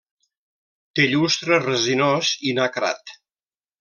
Té llustre resinós, i nacrat.